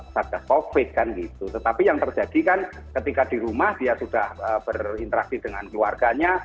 sargasmo tapi yang terjadi kan ketika di rumah dia sudah berinteraksi dengan keluarganya